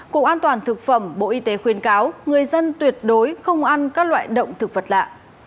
cục an toàn thực phẩm bộ y tế khuyên cáo người dân tuyệt đối không ăn các loại động thực vật lạ